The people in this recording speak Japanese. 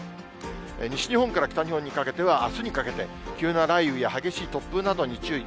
西日本から北日本にかけては、あすにかけて、急な雷雨や激しい突風などに注意。